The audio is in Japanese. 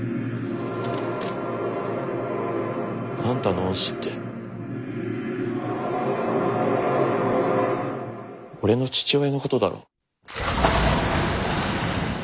あんたの恩師って俺の父親のことだろ？